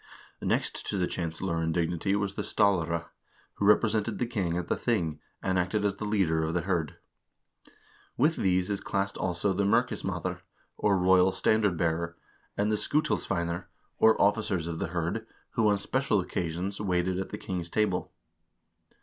Next to the chancellor in dignity was the stallare, who represented the king at the thing, and acted as the leader of the hird. With these is classed also the merkisma'Sr, or royal standard bearer, and the skutilsveinar, or officers of the hird, who on special occasions waited at the king's table.